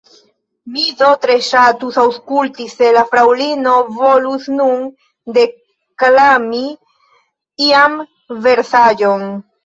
Mi do tre ŝatus aŭskulti, se la Fraŭlino volus nun deklami ian versaĵon.